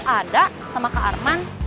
ada sama kak arman